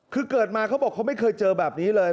คือเกิดมาเขาบอกเขาไม่เคยเจอแบบนี้เลย